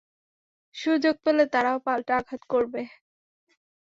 সুযোগ পেলে তারাও পাল্টা আঘাত করবে।